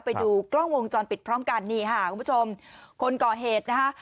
ไปดูกล้องวงจรปิดพร้อมกันนี่ค่ะคุณผู้ชมคนก่อเหตุนะคะ